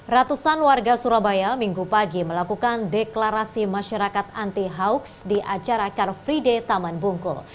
ratusan warga surabaya minggu pagi melakukan deklarasi masyarakat anti hoax di acara car free day taman bungkul